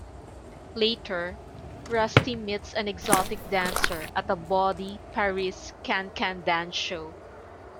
Later, Rusty meets an exotic dancer at a bawdy Paris can-can dance show.